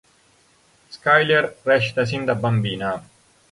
Skyler recita sin da bambina.